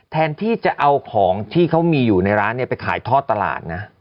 แทนที่จะเอาของที่เขามีอยู่ในร้านไปขายทอดตลาดนะ